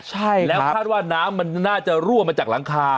ใช่แล้วคาดว่าน้ำมันน่าจะรั่วมาจากหลังคา